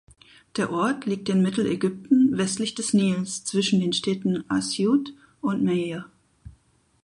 Der Ort liegt in Mittelägypten westlich des Nils zwischen den Städten Asyut und Meir.